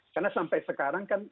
karena sampai sekarang kan